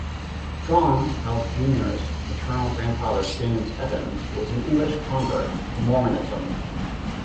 John Held Jr.'s maternal grandfather, James Evans, was an English convert to Mormonism.